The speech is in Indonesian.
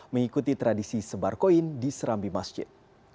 mengikuti tradisi sebar koin di serambi masjid